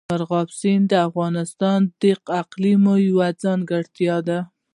مورغاب سیند د افغانستان د اقلیم یوه ځانګړتیا ده.